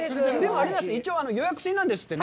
一応予約制なんですよね。